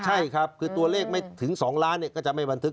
ใช่ครับคือตัวเลขไม่ถึง๒ล้านก็จะไม่บันทึก